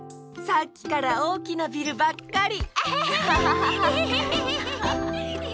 さっきからおおきなビルばっかり！